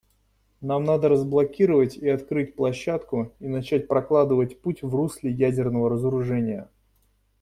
Нам надо разблокировать и открыть площадку и начать прокладывать путь в русле ядерного разоружения.